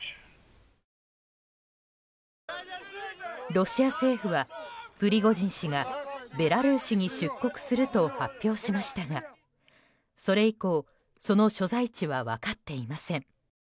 ロシア政府はプリゴジン氏がベラルーシに出国すると発表しましたがそれ以降その所在地は分かっていません。